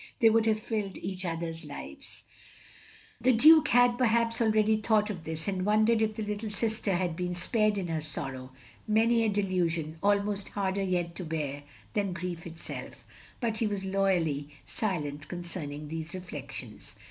They would have filled each other's lives " The Duke had, perhaps, already thought of this, and wondered if the little sister had been spared, in her sorrow, many a disillusion almost harder yet to bear than grief itself; but he was loyally silent concerning these reflections.